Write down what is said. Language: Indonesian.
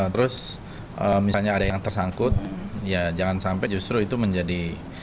terus misalnya ada yang tersangkut ya jangan sampai justru itu menjadi